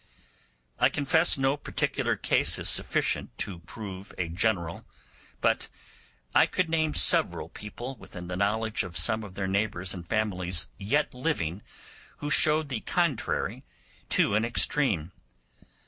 I confess no particular case is sufficient to prove a general, but I could name several people within the knowledge of some of their neighbours and families yet living who showed the contrary to an extreme.